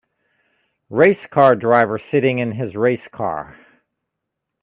Race car driver sitting in his race car